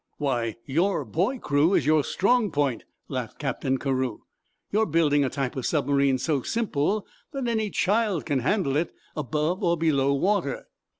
"Why, your boy crew is your strong point," laughed Captain Carew. "You're building a type of submarine so simple that any child can handle it above or below water."